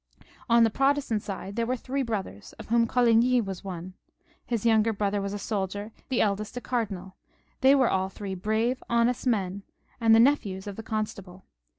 On the Protestant side there were three brothers, of whom Coligny was one ; his younger brother was a soldier, the eldest a cardinal ; they were all three brave honest men, and the nephews of the constable.